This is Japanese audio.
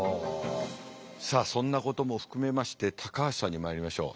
さあそんなことも含めまして高橋さんにまいりましょう。